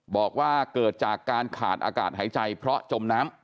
บอกว่าเกิดจากการขาดอากาศหายใจเพราะจมน้ำ